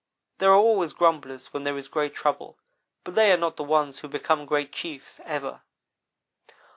There are always grumblers when there is great trouble, but they are not the ones who become great chiefs ever.